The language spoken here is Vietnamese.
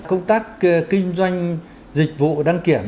công tác kinh doanh dịch vụ đăng kiểm